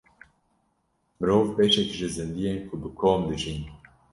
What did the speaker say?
Mirov beşek ji zindiyên ku bi kom dijîn.